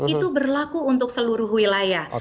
itu berlaku untuk seluruh wilayah